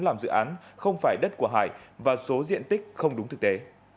làm dự án không phải đất của hải và số diện tích không đúng thực tế